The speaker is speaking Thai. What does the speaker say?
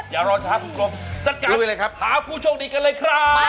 อย่ารอช้าคุณกรมจัดการหาผู้โชคดีกันเลยครับ